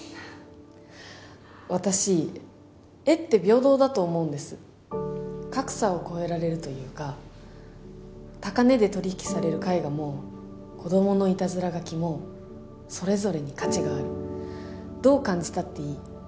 私絵って平等だと思うんです格差を超えられるというか高値で取り引きされる絵画も子供のいたずら描きもそれぞれに価値があるどう感じたっていい